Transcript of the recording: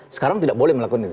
sekarang tidak boleh melakukan itu